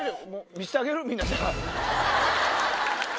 見してあげるみんな。